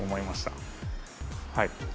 はい。